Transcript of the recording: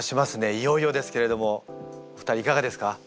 いよいよですけれども２人いかがですか？